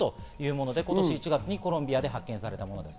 今年１月にコロンビアで発見されたものです。